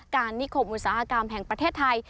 นิคมอุตสาหกรรมแห่งประเทศไทย